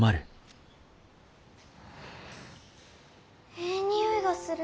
えい匂いがする。